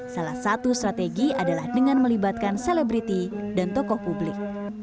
salah satu strategi adalah dengan melibatkan selebriti dan tokoh publik